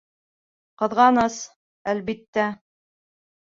Ҡыҙғаныс, әлбиттә.